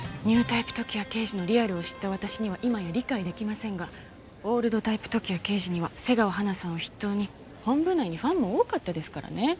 ニュータイプ時矢刑事のリアルを知った私には今や理解できませんがオールドタイプ時矢刑事には背川葉奈さんを筆頭に本部内にファンも多かったですからね。